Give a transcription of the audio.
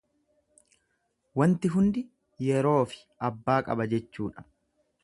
Wanti hundi yeroofi abbaa qaba jechuudha.